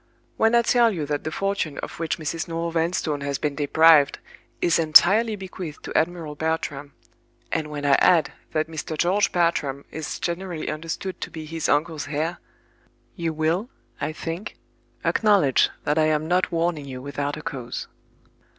When I tell you that the fortune of which Mrs. Noel Vanstone has been deprived is entirely bequeathed to Admiral Bartram; and when I add that Mr. George Bartram is generally understood to be his uncle's heir—you will, I think, acknowledge that I am not warning you without a cause.